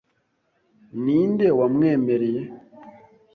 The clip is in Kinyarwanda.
Ninde wamwemereye?